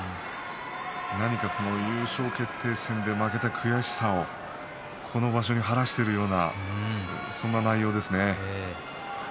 何か優勝決定戦で負けた悔しさをこの場所で晴らしているようなそんな内容ですね。